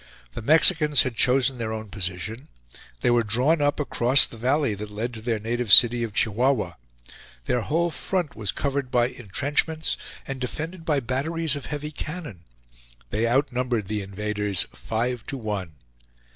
The Mexicans had chosen their own position; they were drawn up across the valley that led to their native city of Chihuahua; their whole front was covered by intrenchments and defended by batteries of heavy cannon; they outnumbered the invaders five to one.